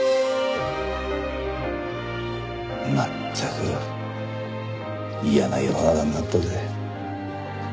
まったく嫌な世の中になったぜ。